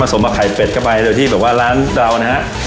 สมกับไข่เป็ดเข้าไปโดยที่แบบว่าร้านเรานะฮะ